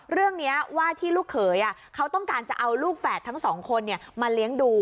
เรื่องนี้ว่าที่ลูกเขยเขาต้องการจะเอาลูกแฝดทั้งสองคนมาเลี้ยงดู